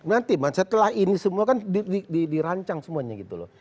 nanti setelah ini semua kan dirancang semuanya gitu loh